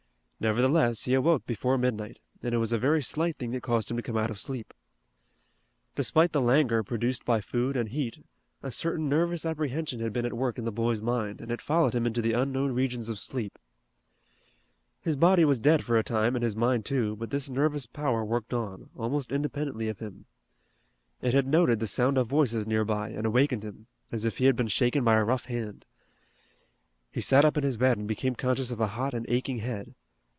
Nevertheless he awoke before midnight, and it was a very slight thing that caused him to come out of sleep. Despite the languor produced by food and heat a certain nervous apprehension had been at work in the boy's mind, and it followed him into the unknown regions of sleep. His body was dead for a time and his mind too, but this nervous power worked on, almost independently of him. It had noted the sound of voices nearby, and awakened him, as if he had been shaken by a rough hand. He sat up in his bed and became conscious of a hot and aching head.